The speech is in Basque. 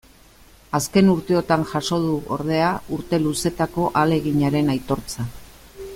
Azken urteotan jaso du, ordea, urte luzetako ahaleginaren aitortza.